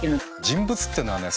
人物っていうのはね